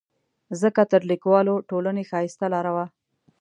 ځکه تر لیکوالو ټولنې ښایسته لاره وه.